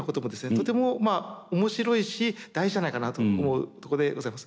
とても面白いし大事じゃないかなと思うところでございます。